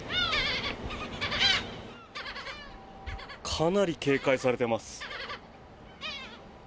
かなり警戒されてます。